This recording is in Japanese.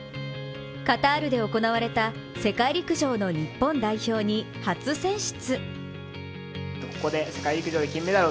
カタールで行われた世界陸上の日本代表に初選出。